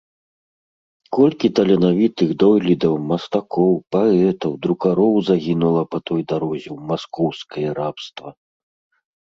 Колькі таленавітых дойлідаў, мастакоў, паэтаў, друкароў загінула па той дарозе ў маскоўскае рабства!